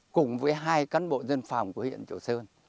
cùng với hai cán bộ dân phòng của huyện triệu sơn